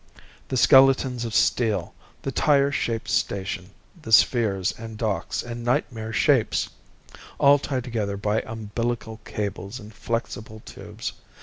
The skeletons of steel, the tire shaped station, the spheres and docks and nightmare shapes all tied together by umbilical cables and flexible tubes.